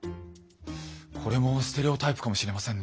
これもステレオタイプかもしれませんね。